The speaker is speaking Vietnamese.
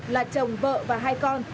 là chồng vợ và hai con